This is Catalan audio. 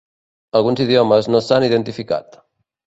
Alguns idiomes no s"han identificat.